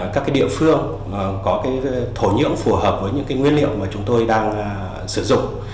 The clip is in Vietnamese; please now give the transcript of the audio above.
các địa phương có cái thổ nhưỡng phù hợp với những nguyên liệu mà chúng tôi đang sử dụng